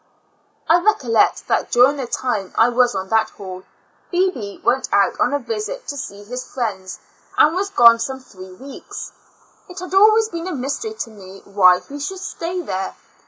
I recollect that during the time I was on that hall, Bebee went out on a visit to see his friends, and was gone some three weeks. It has always been a mystery to me why he should stay there.